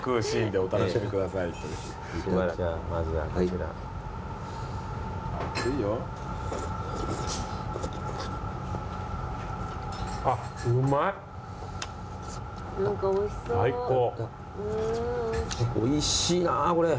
おいしいなこれ。